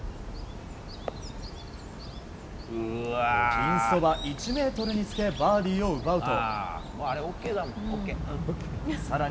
ピンそば１ｍにつけバーディーを奪うと。